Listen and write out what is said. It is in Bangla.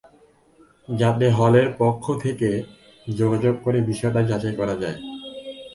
যাতে হলের পক্ষ থেকে পরে যোগাযোগ করে বিষয়টি যাচাই করা যায়।